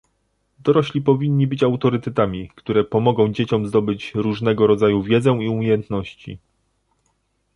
Dorośli powinni być autorytetami, które pomogą dzieciom zdobyć różnego rodzaju wiedzę i umiejętności